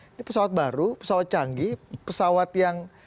ini pesawat baru pesawat canggih pesawat yang